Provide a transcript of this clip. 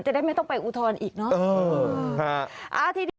แต่ได้ไม่ต้องไปอุทธรณ์อีกเนอะเออค่ะอ่าที